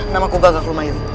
namaku gagal kumah ini